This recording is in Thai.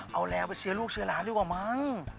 เอาแล้วเชื้อลูกเชื้อหลานีกว่ามั้ง